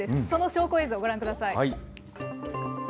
その証拠映像、ご覧ください。